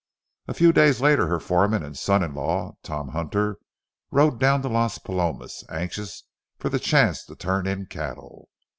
A few days later her foreman and son in law, Tony Hunter, rode down to Las Palomas, anxious for the chance to turn in cattle.